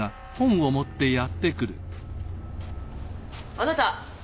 あなた！